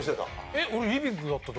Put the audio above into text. えっ俺リビングだったと。